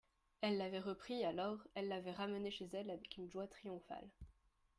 Elle l'avait repris alors, elle l'avait ramené chez elle avec une joie triomphale.